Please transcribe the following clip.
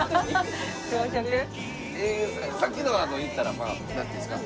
さっきのは言ったらまあなんていうんですか。